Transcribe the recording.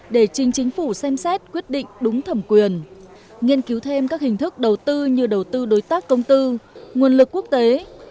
để trình chính phủ xem xét quyết định đúng thẩm quyền nghiên cứu thêm các hình thức đầu tư như đầu tư đối tác công tư nguồn lực quốc tế